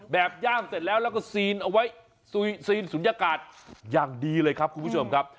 ย่ามเสร็จแล้วแล้วก็ซีนเอาไว้ซีนศูนยากาศอย่างดีเลยครับคุณผู้ชมครับ